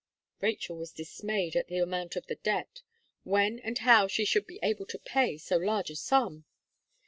Rachel was dismayed at the amount of the debt. When and how should she be able to pay so large a sum?